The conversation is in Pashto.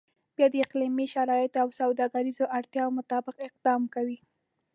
بیا د اقلیمي شرایطو او سوداګریزو اړتیاو مطابق اقدام کوي.